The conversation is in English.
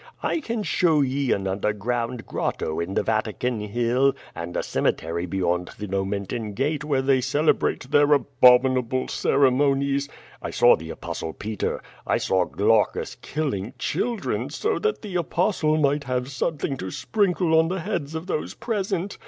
I can show ye an underground grotto in the Vatican Hill, and a cemetery beyond the Nomentan gate where they celebrate their abominable ceremonies. I saw the Apostle Peter. I saw Glaucus killing children so that the Apostle might have something to sprinkle on the heads of those present.